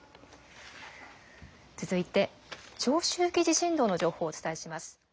続いて、長周期地震動の情報をお伝えします。